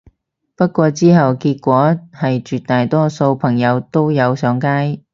不過之後結果係絕大多數朋友都有上街